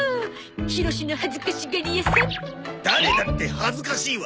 誰だって恥ずかしいわ！